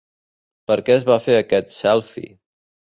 Per què es va fer aquest ‘selfie’?